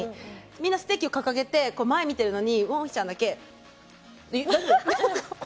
みんなステッキを掲げて前見てるのにウォンヒちゃんだけ「大丈夫？」。